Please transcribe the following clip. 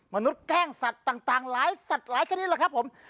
มนุษย์แกล้งสัตว์ต่างหลายสัตว์หลายชนิดแหละครับผม